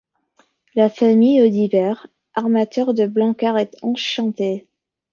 La famille Audibert, armateur de Blancard est enchantée.